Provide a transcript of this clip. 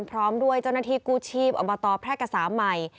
พร้อมด้วยเจ้าหน้าที่กู้ชีพอบตแพร่กษาใหม่